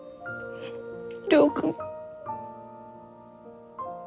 亮君。